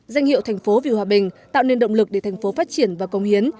danh hiệu thành phố vì hòa bình tạo nên động lực để thành phố phát triển và công hiến